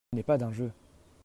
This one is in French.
Ce n'est pas d'un jeu.